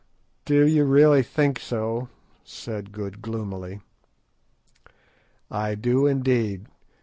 "Do you really think so?" said Good gloomily. "I do, indeed.